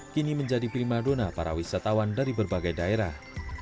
kini menjadi primadona para wisatawan dari berbagai daerah